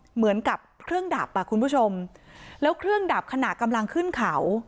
เหมือนกับเครื่องดับอ่ะคุณผู้ชมแล้วเครื่องดับขณะกำลังขึ้นเขา